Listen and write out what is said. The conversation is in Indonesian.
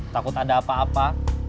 takut ada apa apa